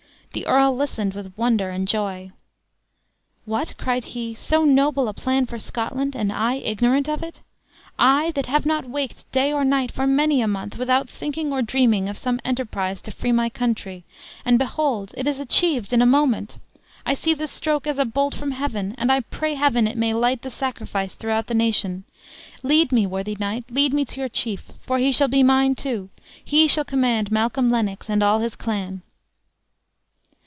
The earl listened with wonder and joy. "What!" cried he, "so noble a plan for Scotland, and I ignorant of it? I, that have not waked day or night, for many a month, without thinking or dreaming of some enterprise to free my country and behold it is achieved in a moment! I see the stroke, as a bolt from Heaven; and I pray Heaven it may light the sacrifice throughout the nation! Lead me, worthy knight, lead me to your chief, for he shall be mine too: he shall command Malcolm Lennox and all his clan."